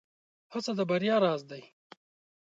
هڅه د بريا راز دی.